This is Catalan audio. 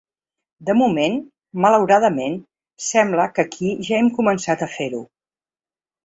De moment, malauradament, sembla que aquí ja hem començat a fer-ho.